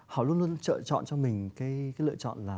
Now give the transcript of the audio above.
họ luôn luôn lựa chọn cho mình cái lựa chọn là